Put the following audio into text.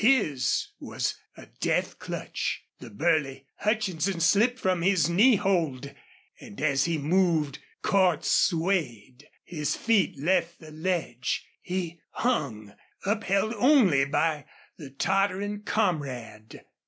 His was a death clutch. The burly Hutchinson slipped from his knee hold, and as he moved Cordts swayed, his feet left the ledge, he hung, upheld only by the tottering comrade.